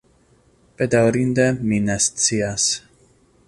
Bedaŭrinde mi ne scias.